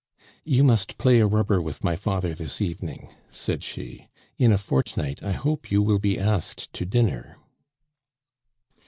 "You must play a rubber with my father this evening," said she. "In a fortnight I hope you will be asked to dinner."